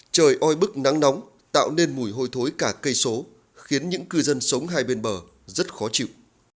trời oi bức nắng nóng tạo nên mùi hôi thối cả cây số khiến những cư dân sống hai bên bờ rất khó chịu